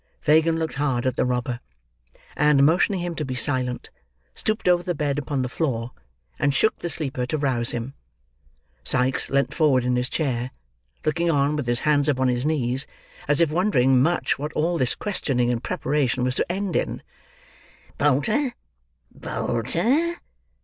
Fagin looked hard at the robber; and, motioning him to be silent, stooped over the bed upon the floor, and shook the sleeper to rouse him. Sikes leant forward in his chair: looking on with his hands upon his knees, as if wondering much what all this questioning and preparation was to end in. "Bolter, Bolter!